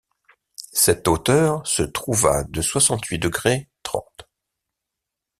Cette hauteur se trouva de soixante-huit degré trente’.